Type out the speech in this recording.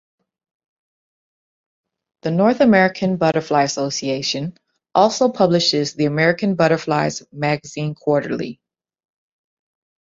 The North American Butterfly Association also publishes the American Butterflies magazine quarterly.